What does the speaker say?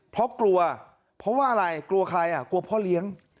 เพราะกลัวเพราะว่าอะไรกลัวใครอ่ะกลัวพ่อเลี้ยง